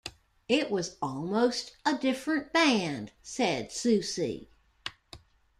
"It was almost a different band", said Siouxsie.